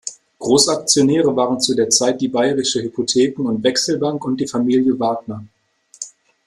Großaktionäre waren zu der Zeit die Bayerische Hypotheken- und Wechsel-Bank und die Familie Wagner.